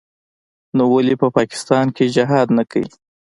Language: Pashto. نو ولې په پاکستان کښې جهاد نه کيي.